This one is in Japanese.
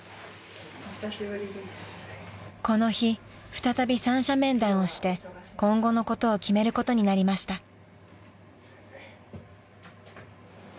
［この日再び三者面談をして今後のことを決めることになりました］